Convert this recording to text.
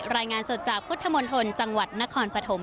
รายงานสดจากพุทธมณฑลจังหวัดนครปฐม